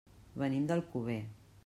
Venim d'Alcover.